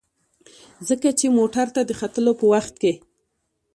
ځکه چې موټر ته د ختلو په وخت کې.